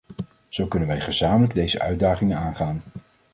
Zo kunnen wij gezamenlijk deze uitdagingen aangaan.